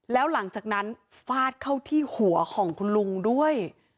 แล้วหลังจากนั้นฟาดเข้าที่หัวของคุณลุงด้วย